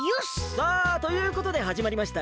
さあということではじまりました